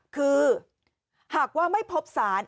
คือหากว่าไม่พบสาร